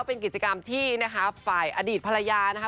เป็นกิจกรรมที่นะคะฝ่ายอดีตภรรยานะคะ